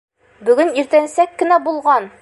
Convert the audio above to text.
Бөгөн иртәнсәк кенә булған!